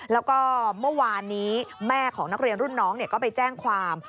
แล้วก็เมื่อวานนี้แม่ของนักเรียนรุ่นน้องก็ไปแจ้งความ